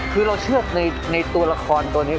คือเราเชื่อในตัวละครตัวนี้